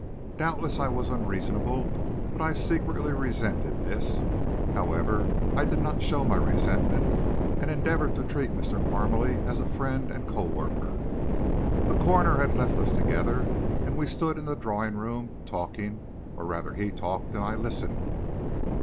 Doubtless I was unreasonable, but I secretly resented this. However I did not show my resentment and endeavored to treat Mr. Parmalee as a friend and co worker. The coroner had left us together, and we stood in the drawing room, talking, or rather he talked and I listened.